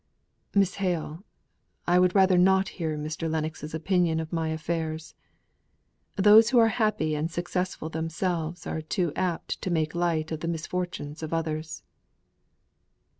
Miss Hale, would rather not hear Mr. Lennox's opinion of my affairs. Those who are happy and successful themselves are too apt to make light of the misfortunes of others."